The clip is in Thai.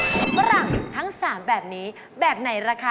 วดหลังครั้ง๓แบบนี้แบบไหนราคา